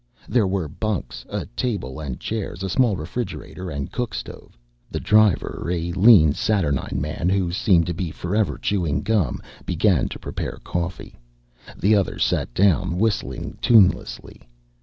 There were bunks, a table and chairs, a small refrigerator and cookstove. The driver, a lean saturnine man who seemed to be forever chewing gum, began to prepare coffee. The other sat down, whistling tunelessly.